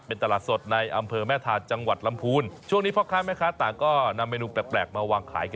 เป็นตลาดสดในอำเภอแม่ทานจังหวัดลำพูนช่วงนี้พ่อค้าแม่ค้าต่างก็นำเมนูแปลกมาวางขาย